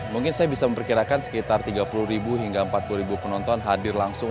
mungkin saya bisa memperkirakan sekitar tiga puluh hingga empat puluh penonton hadir langsung